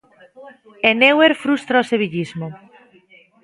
E Neuer frustra o sevillismo.